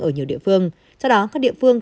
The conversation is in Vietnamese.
ở nhiều địa phương sau đó các địa phương